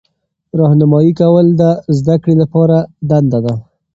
راهنمایي کول د زده کړې لپاره دنده ده.